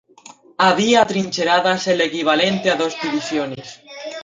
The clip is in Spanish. Había atrincheradas el equivalente a dos divisiones.